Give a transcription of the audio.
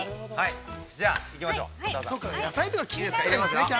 じゃあ、いきましょう。